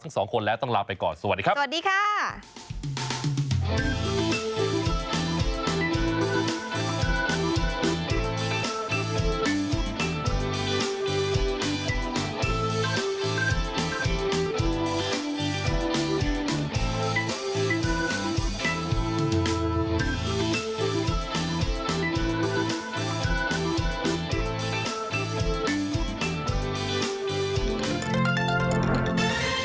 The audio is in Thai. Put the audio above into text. อืม